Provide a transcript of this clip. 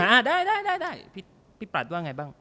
อ่าได้พี่ปรัสว่าไงบ้าง